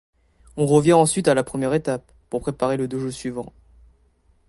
On revient ensuite à la première étape, pour préparer le dojo suivant.